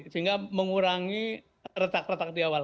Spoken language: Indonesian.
sehingga mengurangi retak retak di awal